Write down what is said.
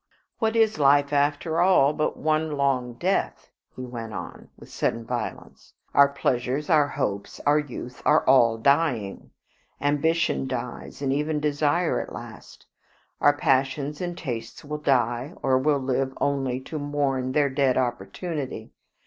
"What is life after all but one long death?" he went on, with sudden violence. "Our pleasures, our hopes, our youth are all dying; ambition dies, and even desire at last; our passions and tastes will die, or will live only to mourn their dead opportunity.